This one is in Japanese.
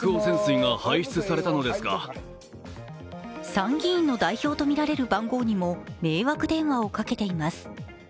参議院の代表とみられる番号にも迷惑電話をかけています。